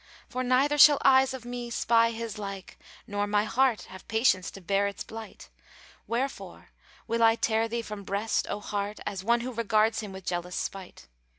For neither shall eyes of me spy his like * Nor my heart have patience to bear its blight: Wherefore, will I tear thee from breast, O Heart * As one who regards him with jealous spite.